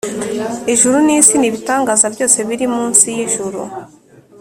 ijuru n’isi n’ibitangaza byose biri mu nsi y’ijuru.